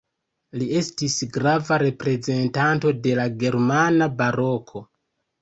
Li estis grava reprezentanto de la germana Baroko.